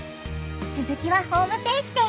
つづきはホームページで！